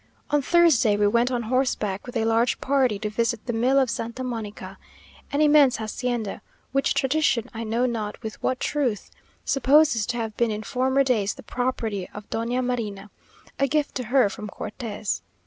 On Thursday we went on horseback with a large party to visit the mill of Santa Mónica, an immense hacienda, which tradition, I know not with what truth, supposes to have been in former days the property of Doña Marina; a gift to her from Cortes.